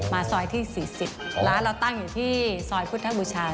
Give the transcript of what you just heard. ซอยที่๔๐ร้านเราตั้งอยู่ที่ซอยพุทธบูชา